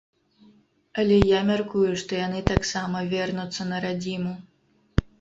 Але я мяркую, што яны таксама вернуцца на радзіму.